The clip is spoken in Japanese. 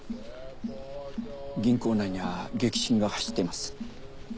銀行内には激震が走っています。